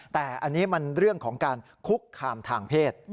แต่อันนี้มันเรื่องของการคุกคามทางเพศ